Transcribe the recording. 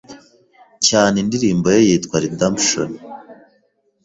cyane indirimbo ye yitwa Redemption.